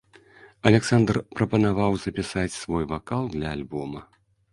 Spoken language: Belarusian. Аляксандр прапанаваў запісаць свой вакал для альбома.